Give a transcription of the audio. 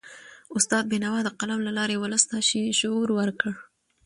استاد بینوا د قلم له لاري ولس ته شعور ورکړ.